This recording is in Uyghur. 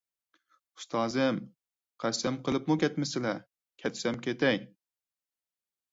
ئۇستازىم، قەسەم قىلىپمۇ كەتمىسىلە، كەتسەم كېتەي.